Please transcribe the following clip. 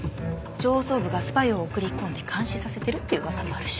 上層部がスパイを送り込んで監視させてるっていう噂もあるし。